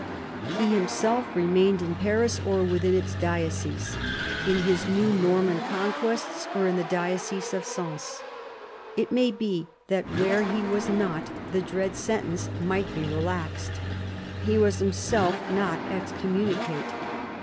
He himself remained in Paris or within its diocese, in his new Norman conquests, or in the diocese of Sens. It may be that where he was not the dread sentence might be re laxed. He was himself not excommunicate.